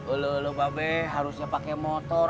ulu ulu pak be harusnya pake motor